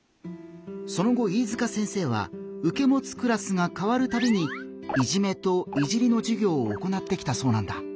その後飯塚先生はうけもつクラスが変わるたびに「いじめ」と「いじり」のじゅぎょうを行ってきたそうなんだ。